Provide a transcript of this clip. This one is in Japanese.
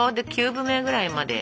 ９分目ぐらいまで。